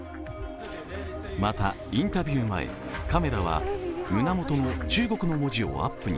また、インタビュー前、カメラは胸元の「中国」の文字をアップに。